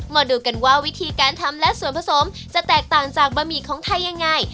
มาดูกันว่าวิธีการทำและส่วนผสมจะแตกต่างจากบะหมี่ของไทยยังไง